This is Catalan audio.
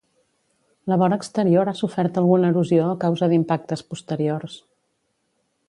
La vora exterior ha sofert alguna erosió a causa d'impactes posteriors.